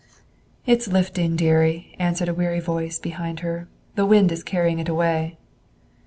"It's lifting, dearie," answered a weary voice behind her. "The wind is carrying it away."